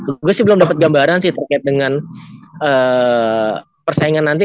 gue sih belum dapat gambaran sih terkait dengan persaingan nanti